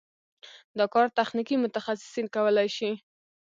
دا کار تخنیکي متخصصین کولی شي.